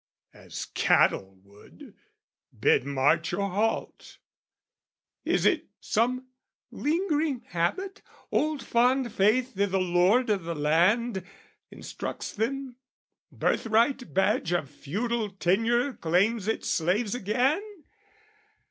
As cattle would, bid march or halt! Is it some lingering habit, old fond faith I' the lord of the land, instructs them, birthright badge Of feudal tenure claims its slaves again?